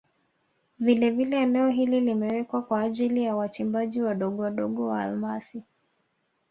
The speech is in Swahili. Vilevile eneo hili limewekwa kwa ajili ya wachimbaji wadogo wadogo wa almasi